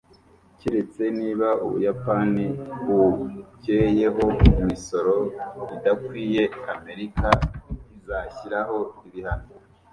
Keretse niba Ubuyapani bukuyeho imisoro idakwiye, Amerika izashyiraho ibihano